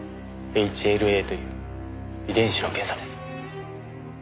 ＨＬＡという遺伝子の検査です。